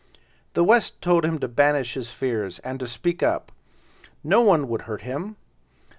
The West told him to banish his fears, and to speak up; no one would hurt him.